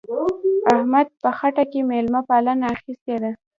احمد په خټه کې مېلمه پالنه اخښلې ده.